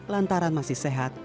lantaran masih sehat